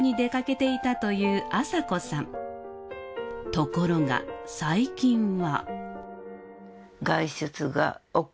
ところが最近は。